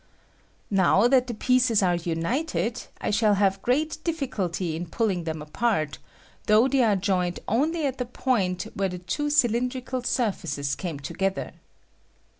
Now that the pieces are united, I shall have great difficulty in pulling them apart, though they are joined only at the point where the two cylindrical surfaces came together.